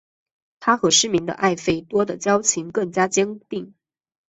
他和失明的艾费多的交情更加坚定。